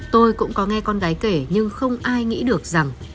tôi cũng có nghe con gái kể nhưng không ai nghĩ được rằng